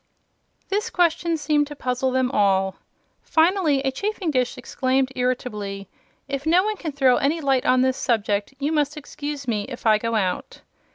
This question seemed to puzzle them all. Finally, a chafingdish, exclaimed irritably: "If no one can throw any light on this subject you must excuse me if I go out."